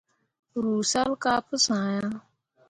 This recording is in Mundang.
Ruu salle kah pu sã ah.